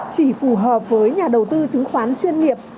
chỉ phù hợp với nhà đầu tư chứng khoán chuyên nghiệp